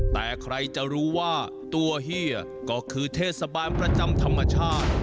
แต่ใครจะรู้ว่าตัวเฮียก็คือเทศบาลประจำธรรมชาติ